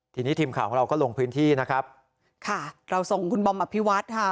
ทีนี้ทีมข่าวของเราก็ลงพื้นที่นะครับค่ะเราส่งคุณบอมอภิวัฒน์ค่ะ